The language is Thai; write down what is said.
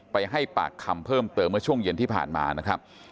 ไปให้ปากคำเพิ่มเติมเมื่อช่วงเย็นที่ผ่านมานะครับ